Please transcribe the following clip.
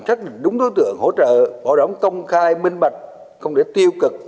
xác định đúng đối tượng hỗ trợ bảo đảm công khai minh bạch không để tiêu cực